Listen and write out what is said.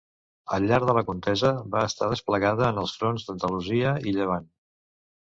Al llarg de la contesa va estar desplegada en els fronts d'Andalusia i Llevant.